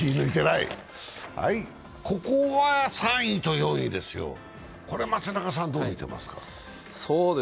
ここは３位と４位ですよ、これ松中さん、どう見てますか？